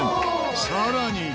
さらに。